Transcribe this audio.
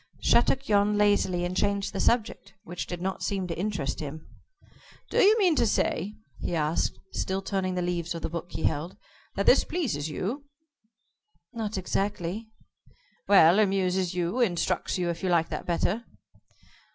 Shattuck yawned lazily, and changed the subject, which did not seem to interest him. "Do you mean to say," he asked, still turning the leaves of the book he held, "that this pleases you?" "Not exactly." "Well, amuses you? Instructs you, if you like that better?"